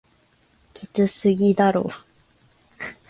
きつすぎだろ